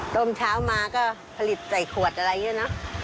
ต้มเช้ามาก็ผลิตไฟขวดอะไรอย่างนี้นะ